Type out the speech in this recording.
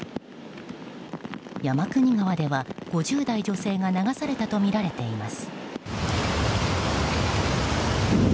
山国川では５０代女性が流されたとみられています。